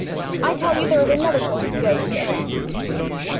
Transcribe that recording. I tell you there is another sort of scourge in the air."